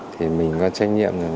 thì mình có trách nhiệm